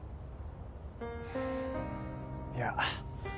いや。